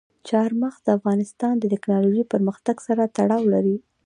چار مغز د افغانستان د تکنالوژۍ پرمختګ سره تړاو لري.